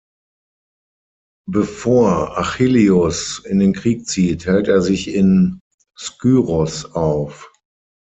Bevor Achilleus in den Krieg zieht, hält er sich in Skyros auf.